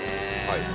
はい。